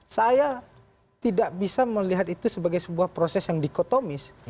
saya tidak bisa melihat itu sebagai sebuah proses yang dikotomis